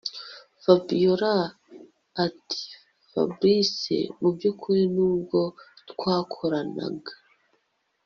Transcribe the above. Fabiora atiFabric mubyukuri nubwo twakoranaga